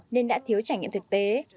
nên đã thiếu trải nghiệm thực tế